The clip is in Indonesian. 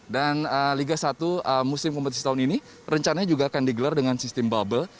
dan liga satu musim kompetisi tahun ini rencananya juga akan digelar dengan sistem bubble